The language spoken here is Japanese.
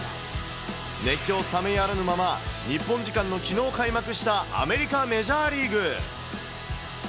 熱狂冷めやらぬまま、日本時間のきのう開幕したアメリカメジャーリーグ。